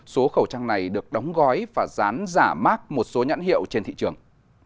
số khẩu trang này được đóng gói và dán giả mát một số nhãn hiệu trên thị trường